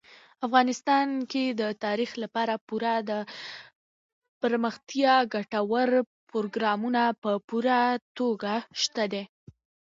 افغانستان کې د تاریخ لپاره پوره دپرمختیا ګټور پروګرامونه په پوره توګه شته دي.